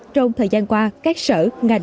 trong thời gian qua các sở ngành